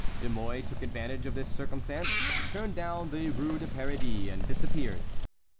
De Mouy took advantage of this circumstance, turned down the Rue de Paradis, and disappeared.